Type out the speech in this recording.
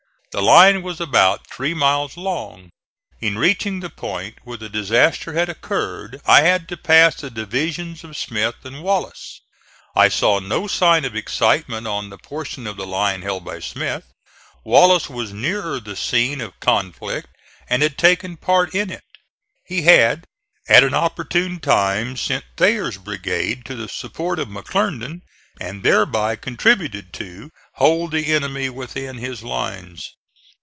The line was about three miles long. In reaching the point where the disaster had occurred I had to pass the divisions of Smith and Wallace. I saw no sign of excitement on the portion of the line held by Smith; Wallace was nearer the scene of conflict and had taken part in it. He had, at an opportune time, sent Thayer's brigade to the support of McClernand and thereby contributed to hold the enemy within his lines.